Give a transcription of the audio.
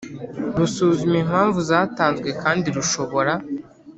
Rusuzuma impamvu zatanzwe kandi rushobora